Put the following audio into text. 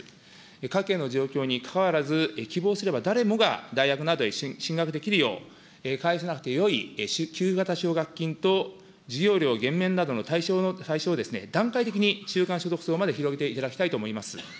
家計の状況にかかわらず、希望すれば誰もが大学などへ進学できるよう、返さなくてよい給付型奨学金と、授業料減免などの対象を、段階的に中間所得層まで広げていただきたいと思います。